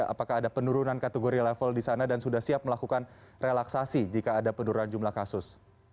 apakah ada penurunan kategori level di sana dan sudah siap melakukan relaksasi jika ada penurunan jumlah kasus